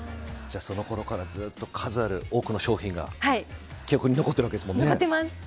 そのころからずっと数ある多くの商品が記憶に残っているわけですもんね。